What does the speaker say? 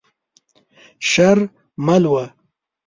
شر ملوه.